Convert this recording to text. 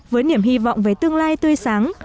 với niềm hy vọng về tương lai tươi sáng